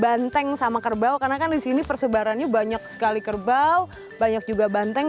banteng sama kerbau karena kan disini persebarannya banyak sekali kerbau banyak juga banteng